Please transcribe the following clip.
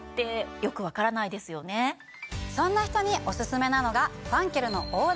そんな人にオススメなのが。